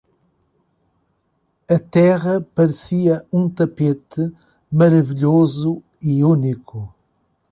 A terra parecia um tapete maravilhoso e único.